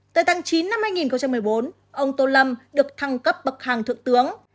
từ tháng chín năm hai nghìn một mươi bốn ông tô lâm được thăng cấp bậc hàng thượng tướng